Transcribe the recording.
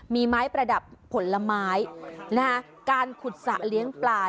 มีไม้ประดับผลไม้การขุดสระเลี้ยงปลา